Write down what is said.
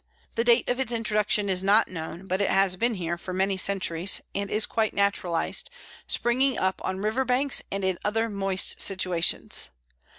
The date of its introduction is not known, but it has been here for many centuries, and is quite naturalized, springing up on river banks and in other moist situations.